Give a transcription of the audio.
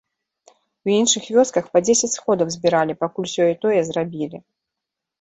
У іншых вёсках па дзесяць сходаў збіралі, пакуль сёе-тое зрабілі.